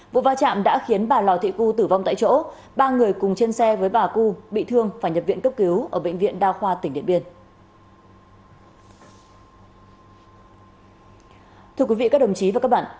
vụ va chạm đã khiến bà lò thị cư tử vong tại chỗ ba người cùng trên xe với bà cư bị thương phải nhập viện cấp cứu ở bệnh viện đa khoa tỉnh điện biên